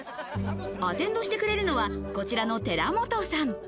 アテンドしてくれるのはこちらの寺本さん。